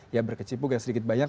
yang berkecipuk yang sedikit banyak